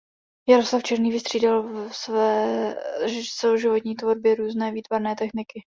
Jaroslav Černý vystřídal ve své celoživotní tvorbě různé výtvarné techniky.